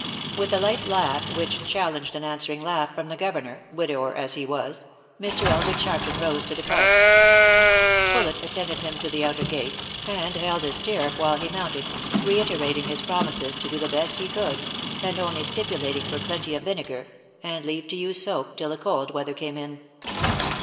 With a light laugh which challenged an answering laugh from the governor, widower as he was, Mr. Elgood Sharpton rose to depart. Poulet attended him to the outer gate, and held his stirrup while he mounted, reiterating his promises to do the best he could, and only stipulating for plenty of vinegar, and leave to use soap till the cold weather came in.